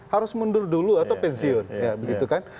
harus mundur dulu atau pensiun